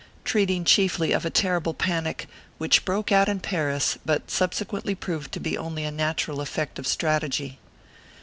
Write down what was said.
TREATING CHIEFLY OF A TERRIBLE PANIC "WHICH BROKE OUT IN PARIS, BUT SUBSEQUENTLY PROVED TO BE ONLY A NATURAL EF FECT OF STRATEGY.